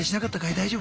大丈夫？